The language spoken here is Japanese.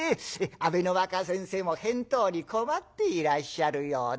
阿部の若先生も返答に困っていらっしゃるようだ。